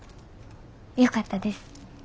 よかったです。